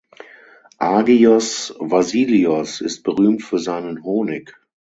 Agios Vasilios ist berühmt für seinen Honig.